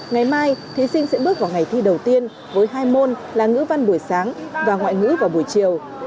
ngày mai thí sinh sẽ bước vào ngày thi đầu tiên với hai môn là ngữ văn buổi sáng và ngoại ngữ vào buổi chiều